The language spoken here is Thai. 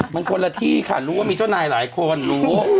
มันคนละที่ค่ะรู้ว่ามีเจ้านายหลายคนรู้